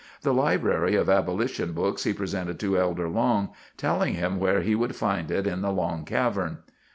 The library of abolition books he presented to Elder Long, telling him where he would find it in the long cavern.